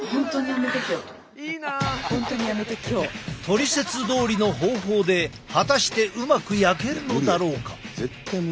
トリセツどおりの方法で果たしてうまく焼けるのだろうか。